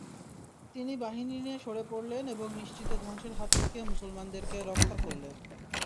তিনি বাহিনী নিয়ে সরে পড়লেন এবং নিশ্চিত ধ্বংসের হাত থেকে মুসলমানদেরকে রক্ষা করলেন।